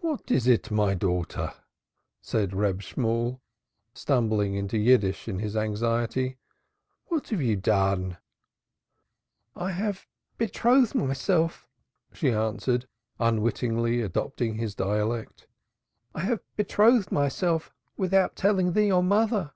"What is it, my daughter?" said Reb Shemuel, stumbling into Yiddish in his anxiety. "What hast thou done?" "I have betrothed myself," she answered, unwittingly adopting his dialect. "I have betrothed myself without telling thee or mother."